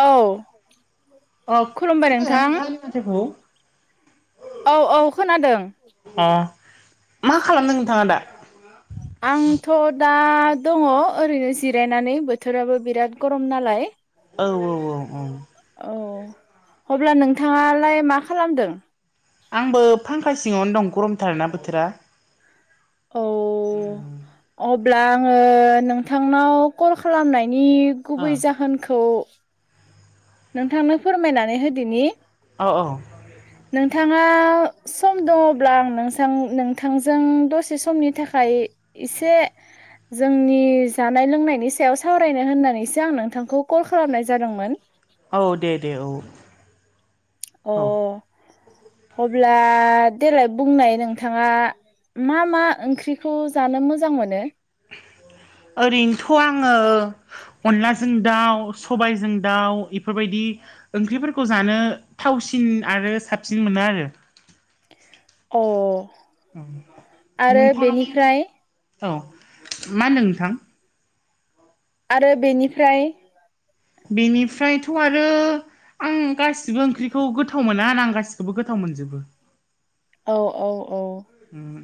औ खुलुमबाय नोंथां [unintelligible] औ औ खोनादों अ मा खालामदों नोंथाङा दा [unintelligible] आंथ' दा दङ ओरैनो जिरायनानै बोथोराबो बिराद गरम नालाय। औ औ औ औ उम। औ अब्ला नोंथाङालाय मा खालामदों? आंबो फांखा सिङावनो दं गरमथार ना बोथोरा। औ अब्ला आङो नोंथांनाव कल खालामनायनि। ओ गुबै जाहोनखौ नोंथांनो फोरमायनानै होदोनि। औ औ। नोंथाङा सम दङब्ला आं नों नोंथांजों दसे समनि थाखाय एसे जोंनि जानाय लोंनायनि सायाव सावरायनो होननानैसो आं नोंथांखौ कल खालामनाय जादोंमोन। औ दे दे औ। अ औ अब्ला देलाय बुंनाय नोंथाङा मा मा ओंख्रिखौ जानो मोजां मोनो? ओरैनोथ' आंङो अनलाजों दाउ सबायजों दाउ इफोरबायदि ओंख्रिफोरखौ जानो थावसिन आरो साबसिन मोनो आरो। अ। औ आरो नोंथांङालाय बेनिफ्राय औ मा होनदों नोंथां? आरो बेनिफ्राय बेनिफ्रायथ' आरो आं गासिबो ओंख्रिखौ गोथाव मोना होना आं गासिखौबो गोथाव मोनजोबो। औ औ औ। ओम।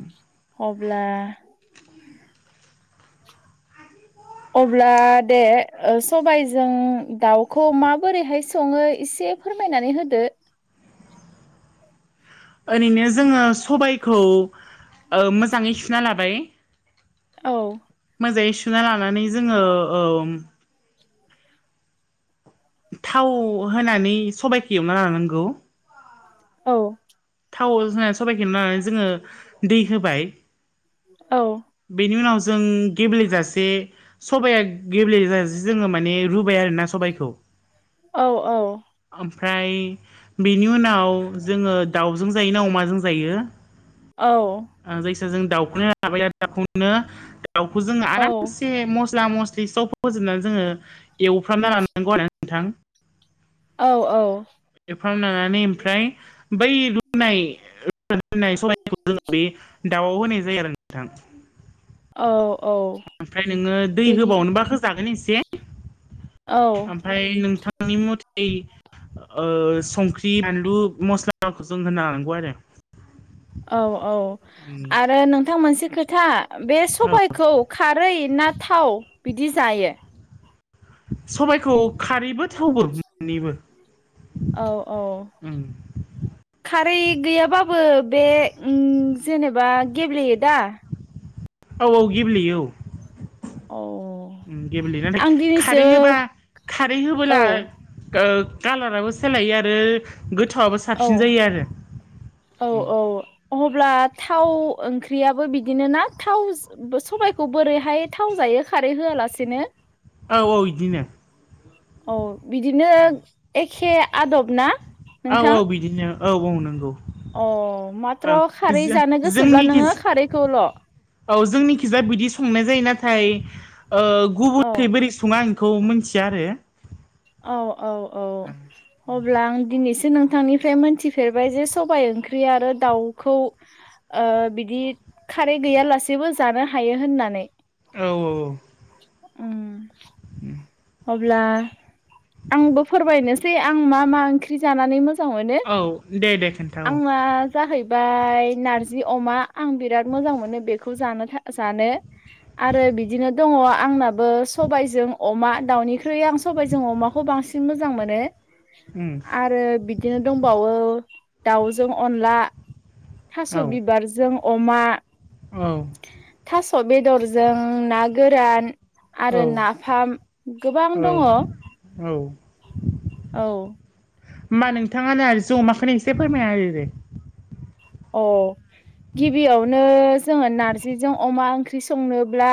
अब्ला। अब्ला दे ओ सबायजों दाउखौ माबोरैहाय संङो एसे फोरमायनानै होदो। ओरैनो जोंङो सबायखौ ओ मोजांङै सुना लाबाय। औ। मोजांङै सुना लानानै जोंङो ओ ओम। थाव होनानै सबाइखो एवना लानांगौ। औ। थाव होननानै सबाइखौे लनानै जोंङो दै होबाय। औ। बेनि उनाव जों गेब्लेजासे सबाया गेब्लेेजासै जोंङो माने रुबाय आरोना सबाइखौ। औ औ। ओमफ्राय बेनि उनाव जोंङो दाउजों जायो ना अमाजों जायो औ। ओ जायखिजाया जों दाउखौनो [unintelligible] दाखौनो। दाउखौ जोंङो औ आरामसे मस्ला मस्लि स फोजोबनानै जोंङो एवफ्रामना लानांगौ आरो नोंथां। औ औ। एफां लानानै ओमफ्राय। बै रुनायनाय रूनादोननाय सायनायखौ जोंङो बे दाउआव होनाय जायो आरो नोंथां। औ औ। ओमफ्राय नोंङो दै बेनिफ्राय होबावनोबा होजागोन एसे। औ। ओमफ्राय नोंथांनि मथे ओ संख्रि बानलु मस्लाखौ जों होना लानांगौ हांगौ आरो। औ औ आरो नोंथां मोनसे खोथा। बे औ सबायखौ खारै ना थाव बिदि जायो? सबायखौ खारैबो थवबो मोननिबो औ औ खारै गैयाबाबो बे जेनेबा गेब्लेयो दा। औ औ गिब्लेयो औ। औ ओम गेब्लेयो नाथाय आं दिनैसो खारै होबा खारै औ होबोला ओ कालाराबो सोलायो आरो गोथावाबो औ साबसिन जायो आरो। औ औ अब्ला थाव ओंख्रियाबो बिदिनो ना थाव। सबबायखौ बोरैहाय थाव जायो खारै होआलासेनो औ औ बिदिनो औ बिदिनो एखे आदब ना औ औ नोंथां बिदिनो औ बुं नंगौ अ माथ्र' ओं खारै जानो गोसोब्ला जोंनिखि नोङो खारैखौल' औ जोंनिखिजा बिदि संनाय जायो नाथाय औ गुबुनखै बोरै। सुुङा आंखौ मिथिया आरो औ औ औ अब्ला आं दिनैसो नोंथांनिफ्राय मोनथिफेरबाय जे सबाइ ओंख्रि आरो दाउखौ बिदि खारै गैयालासेबो जानो हायो होननानै। औ औ औ उ उ अब्ला आंबो फोरमायनोसै आं मा मा ओंख्रि जानानै मोजां मोजां मोनो औ दे दे खोन्था औ आंना जाहैबाय नारजि अमा आं बिराद मोजां मोनो बेखौ खौ ज जानो आरो बिदिनो दङ आंनाबो सबायजों अमा दाउनिख्रुइ आं सबबायजों अमाखौ बांसिन मोजां मोनो उम आरो बिदि बिदिनो दंबावो दाउजों अनला थास' औ बिबारजों अमा औ थास' बेदरजों ना गोरान औ आरो नाफाम गोबां औ दङ औ औ होमबा नोंथाङानो आरो जमाखौनो एसे फोरमाया आरोे अ गिबियावनो जोङो नारजिजों अमा ओंख्रि ्रि संनोब्ला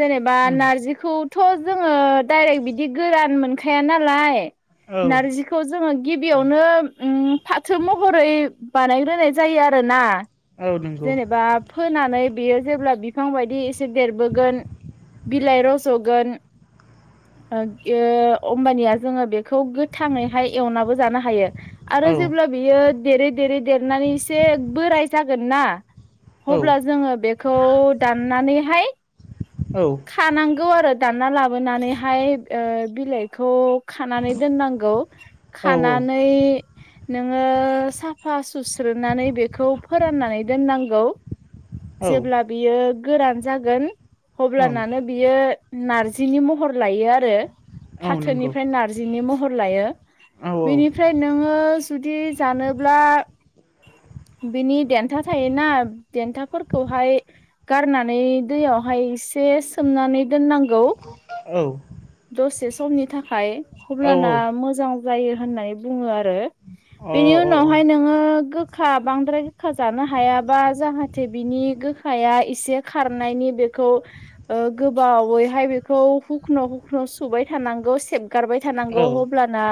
जेनेबा उम नारजि। खौथ' जोङो डाइरेक्ट बिदि गोरान मोनखाया नालाय औ नारजि खौ जोङो गिबियावनो फाथो महरै बानायग्रोनाय जायो आरोोना औ नंगौ जेनेबा फोनानै बियो जेब्ला बिफां बायदि एसे देरबोगोन बिलाइ रज'गोन होमबानिया जोङो बेखौ गोथाङैहाय एवनाबो जानो हायो औ आरो जेब्ला बियो देरै देरै देरनानै एसे बोराय जागोन ना औ अब्ला जोङो बेखौ दाननानैहाय औ खानांगौ आरो दानना लाबोनानैहाय बिलाइखौ खानानै दोननांगौ औ खानानै नोङो साफा सुस्रोनानै बेखौ फोराननानै दोननांगौ औ जेब्ला बियो गोरान जागोन ओं अब्लानानो बियो नारजिनि महर लायो आरो औ नंगौ फाथोनिफ्राय नारजि नि महर लायो औ बिनिफ्राय नोङो जुदि जानोब्ला बिनि देन्था थायोना देन्थाफोरखौहाय गारनानै दैयावहाय से सोमनानै दोननांगौ औ दसे समनि थाखाय औ अब्लाना मोजां जायो होननानै बुंङो आरो अ औ औ बेनि उनावहाय नोंङो गो- खा बांद्राय गोखा जानो हायाबा जाहाथे बिनि गोखाया एसे खारनायनि बेखौ ओ गोबावैहाय बेखौ हुखुनु हुखुनु सुबाय थानांगौ सेब गारबाय थानांगौ अब्लाना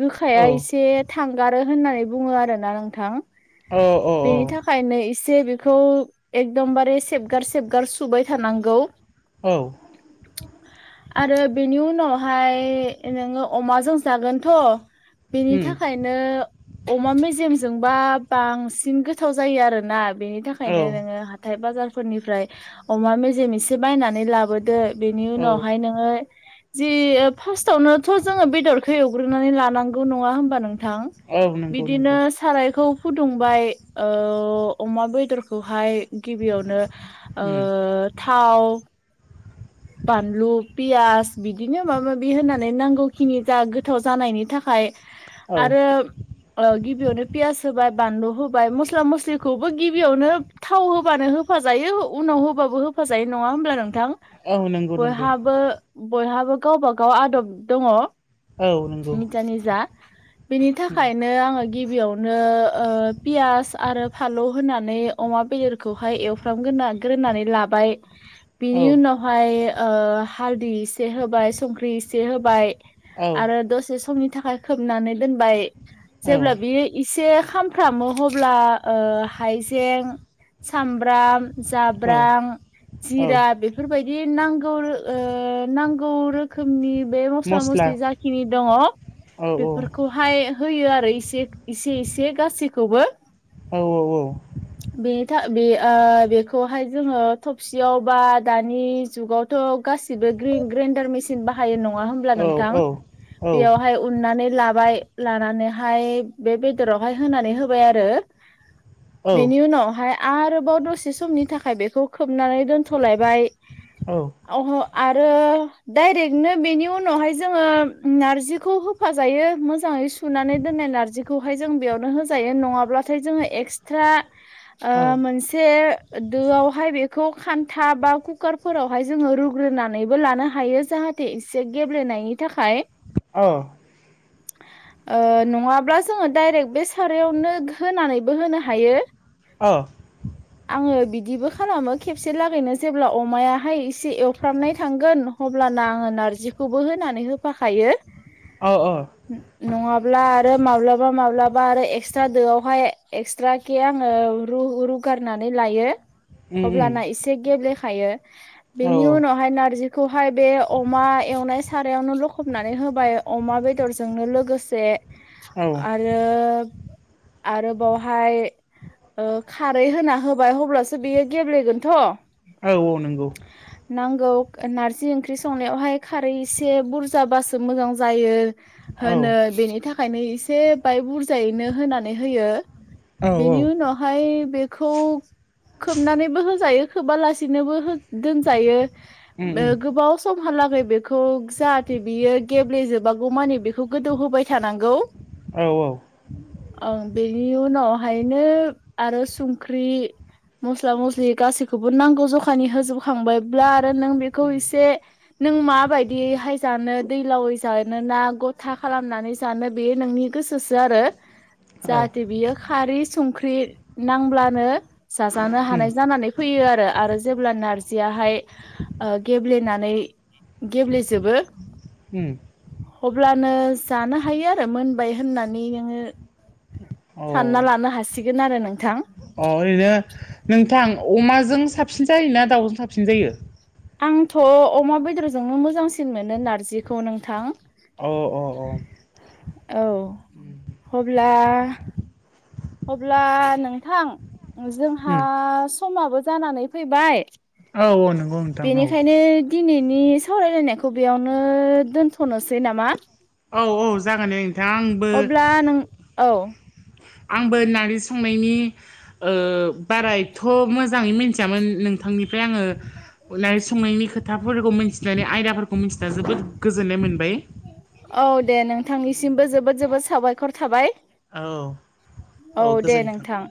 गोखाया एसे थांगारो होननानै बुंङो आरोना नोंथां अ अ बेनि थाख खायनै इसे बेखौ एकदमबारे सेबगार सेबगार सुबाय थानांगौ औ [inaudible] आरो बेनि उनावहाय नोंङो अमाजों जागोनथ' बेनि उम थाखायनो अमा मेजेमजोंबा बांसिन गोथाव जायो आरोना बेनि औ थाखायनो नोंङो हाथाय बाजारफोरनिफ्राय अमा मेजेम एसे बायनानै लाबोदो बेनि औ उनावहाय नोंङो जि फार्स्टावनोथ' जोंङो बेदरखौ एवग्रोनानै लानांगौ नंङा होमबा नोंथां औ नंगौ बिदिनो नंगौ सारायखौ फुदुंबाय ओ अमा बेदरखौहाय गिबियावनो उ ओ थाव बानलु पियास बिदिनो माबा माबि होनानै नांगौ खिनि जा गोथाव जानायनि थाखाय औ आरो गिबियावनो पियास होबाय बानलु होबाय मस्ला मस्लिखौबो गिबियावनो थाव होबानो होफाजायो उनाव होबाबो होफाजायो नंङा होमब्ला नोंथां औ नंगौ नंगौ बयहाबो बयहाबो गावबाागाव आदब दंङ औ नंगौ निट नि जा बेनि उम थाखायनो नो आंङो गिबियावनो ओ पियास आरो फानलु होनानै अमा बेदर खौ हाय एवफ्रामा गोरोननानै लाबाय बिनि औ उनावहाय ओ हालदै एसे होबाय संख्रि इसे होबाय औ आरो दसे समनि थाखाय खोबनानै दोनबाय जेब्ला बे एसे खामफ्रामो अब्ला ओ हाइजें सामब्राम औ जाब्रां औ जिरा बेफोरबायदि नांगौ ओ नांगौ रोखोमनि बे मस्ला मस्लि जाखिनि दंङ औ औ बेफोरखौ हाय होयो आरो इसे इसे एसे गासैखौबो औ औ औ बेनि था बे आ बेखौहाय जोंङो थबसियाव बा दानि जुगाव थ' गासिबो ग्रेडार मेसिन बाहायो नंङा होमब्ला औ नोंथां बेयाव हाय उननानै लाबाय लानानैहाय बे बेदरावहाय होनानै होबाय आरो औ बेनि उनावहाय आरोबाव दसे समनि थाखाय बेखौ खोबनानै दोनथ'लायबाय औ अह आरो डायरेक्टनो बेनि उनावहाय जोंङो नारजिखौ होफाजायो मोजांङै सुनानै दोननाय नारजिखौ खौहाय जों बेयावनो होजायो नंङाब्लाथाय जोंङो एक्सट्रा ओ औ अ मोनसे दोआवहाय बेखौ खान्था बा कुकारफोरावहाय जोंङो रुग्रोनानैबो लानो हायो जाहाथे इसे गेब्लेनायनि थाखाय औ ओ नंङाब्ला जोंङो डाइरेक्ट बे सारायावनो होनानैबो होनो हायो ओ आङो बिदिबो खालामो खेबसे लागैनो जेब्ला अमायाहाय एसे एवफ्रामनाय थांगोन अब्लाना आङो नारजिखौबो होनानै होफाखायो। औ औ नङाब्ला आरो माब्लाबा माब्लाबा आरो एक्सट्रा दोआवहाय एक्सट्रा खे आङो र रुगारनानै लायो उम उम अब्लाना एसे गेब्लेखायो औ बेनि उनावहाय नारजि बेखौहाय बे अमा एवनाय सारायावनो लखबनानै होबाय अमा बे बेदरजोंनो लोगोसे औ आरो आरो बावहाय ओ खारै होना होबाय अब्लासो बेयो गेब्लेगोनथ' औ औ नंगौ नांगौ नारजि ओंख्रि संनायावहाय खारै एसे बुरजाबासो मोजां जायो। औ होनो बेनि थाखायनो एसे बाय बुरजायैनो होनानै होयो औ औ बेनि उनावहाय बेखौ खोबनानैबो होजायो खोबा लासिनोबो दोनजायो उम उम गोबाव समहालागै बेखौ जाहाथे बियो गेब्लेजोबागौ मानिे बेखौ गोदौ होबाय थानांगौ औ औ ओं बेनि उनावहायनो आरो संख्रि मस्ला मस्लि गासैखौबो नांगौ जखानि होजोबो खांबाय ब्ला आरो नों बेखौ उम इसे नों माबादियैहाय जानो दैलावै जा नैना गथा खालामनानै जानो बेयो नोंनि गोसोसो आरो औ जाहाथे बियो खारै संख्रि नांब्लानो जाजानो हानाय उम जानानै फैयो आरो जेब्ला नार्स जयहाय गेब्लेनानै गेब्लेजोबो उम अब्लानो जानो हायो आरो मोनबाय होननानै नोङो अ सानना लानो हासिगोन आरो नोंथां अ ओरैनो नोंथां अमाजों साबसिन जायोना दाउजों साबसिन जायो? आंथ' अमा बेदरजोंनो मोजांसिन मोनो नारजिखौ नोंथां औ औ औ औ अब्ला अब्ला नोंथां जोंहा उम समाबो जानानै फैबाय औ औ नंगौ नोंथां औ बेनिखायनो दिनैनि सावरायलायनायखौ बेयावनो दोनथ'नोसै नामा? औ औ जागोन दे नोंथां आं अब्ला नों औ आंबो नारजि संनायनि ओ बाराएथ' मोजाङै मिथियामोन नोंथांनिफ्राय आङो संनायनि खोथाफोरखौ मिन्थिनानै आयदाफोरखौ मिन्थिनानै जोबोद गोजोननाय मोनबाय औ दे नोंथांनिसिमबो जोबोद जोबोद साबायखर थाबाय औ औ दे नोंथां